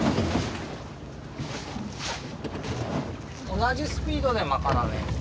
同じスピードで巻かなね。